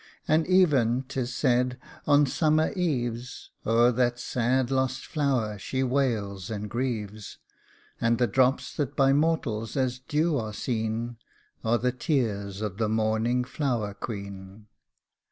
And even, 'tis said, on summer eves O'er that sad lost flower she wails and grieves ; And the drops that by mortals as dew are seen Are the tears of the mourning flower queen. 172 THE PURPLE AND WHITE CARNATION.